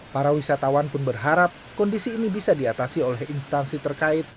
para wisatawan pun berharap kondisi ini bisa diatasi oleh instansi terkait